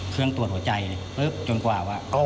เครื่องตรวจหัวใจปึ๊บจนกว่าว่า